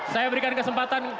saya berikan kesempatan